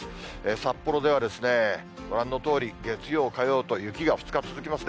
札幌では、ご覧のとおり、月曜、火曜と雪が２日続きますね。